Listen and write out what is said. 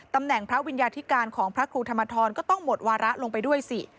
ตำแหน่งพระวิญญาธิการของพระครูธรรมทรก็ต้องหมดวาระลงไปด้วยสิ